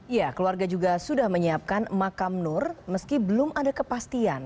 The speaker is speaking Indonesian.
ya keluarga juga sudah menyiapkan makam nur meski belum ada kepastian